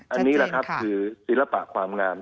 อันนี้แหละครับคือศิลปะความงาม